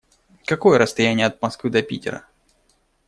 Какое расстояние от Москвы до Питера?